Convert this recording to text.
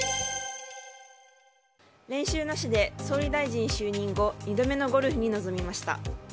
練習なしで、総理大臣就任後２度目のゴルフに臨みました。